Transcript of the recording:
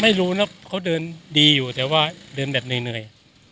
ไม่รู้นะเขาเดินดีอยู่แต่ว่าเดินแบบเหนื่อย